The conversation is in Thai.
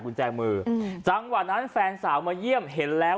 กุญแจมืออืมจังหวะนั้นแฟนสาวมาเยี่ยมเห็นแล้ว